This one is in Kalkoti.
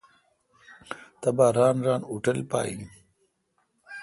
تبا ران ران اوٹل پہ این۔